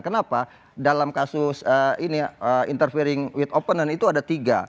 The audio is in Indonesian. kenapa dalam kasus ini interfering with openen itu ada tiga